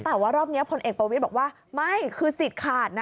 แต่ว่ารอบนี้พลเอกประวิทย์บอกว่าไม่คือสิทธิ์ขาดนะ